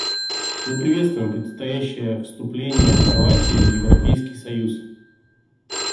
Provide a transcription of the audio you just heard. Мы приветствуем предстоящее вступление Хорватии в Европейский союз.